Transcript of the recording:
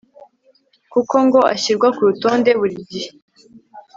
kuko ngo ashyirwa ku rutonde buri gihe